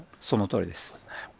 そのとおりです。